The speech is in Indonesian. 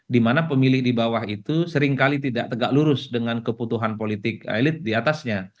di mana pemilih di bawah itu seringkali tidak tegak lurus dengan keputusan politik elit di atasnya